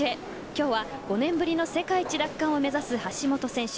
今日は、５年ぶりの世界一奪還を目指す橋本選手。